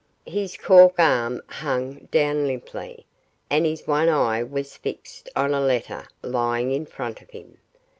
His cork arm hung down limply, and his one eye was fixed on a letter lying in front of him.